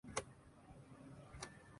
واضح رہے کہ نیپال کی حکومت نے کھجیندرا تھاپا